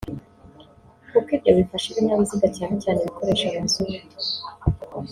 kuko ibyo bifasha ibinyabiziga cyane cyane ibikoresha mazutu